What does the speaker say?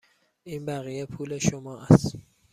این بقیه پول شما است.